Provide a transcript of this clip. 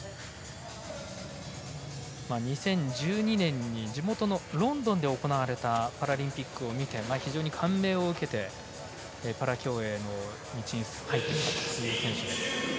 ２０１２年に地元のロンドンで行われたパラリンピックを見て非常に感銘を受けてパラ競泳の道に入ってきたという選手です。